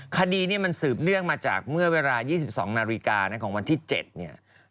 คดีนี้มันสืบเนื่องมาจากเมื่อเวลา๒๒นาฬิกาของวันที่๗เนี่ย